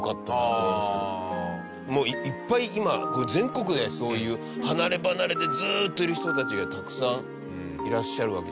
もういっぱい今全国でそういう離ればなれでずーっといる人たちがたくさんいらっしゃるわけじゃないですか。